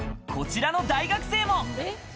こちらの大学生も。